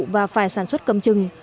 và phải sản xuất cầm chừng